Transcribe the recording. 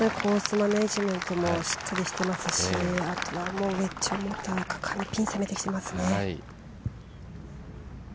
マネジメントもしっかりしていますし、あとは果敢にピン攻めてきてますね。